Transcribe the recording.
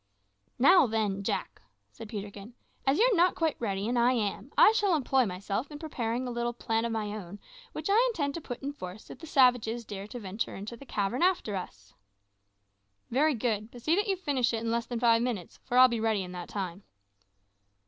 "Now then, Jack," said Peterkin, "as you're not quite ready and I am, I shall employ myself in preparing a little plan of my own which I intend to put in force if the savages dare to venture into the cavern after us." "Very good; but see that you finish it in less than five minutes, for I'll be ready in that time."